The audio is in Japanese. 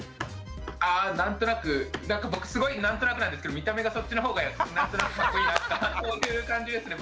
あ何となく僕すごい何となくなんですけど見た目がそっちのほうが何となくかっこいいなとかそういう感じですね